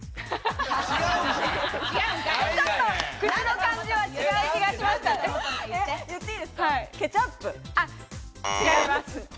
ちょっと口の感じは違う気が言っていいですか、ケチャッ違います。